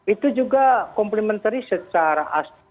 itu juga komplementari secara